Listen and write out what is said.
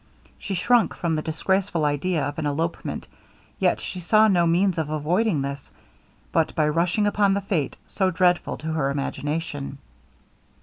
She shrunk from the disgraceful idea of an elopement; yet she saw no means of avoiding this, but by rushing upon the fate so dreadful to her imagination.